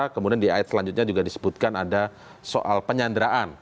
kemudian di ayat selanjutnya juga disebutkan ada soal penyanderaan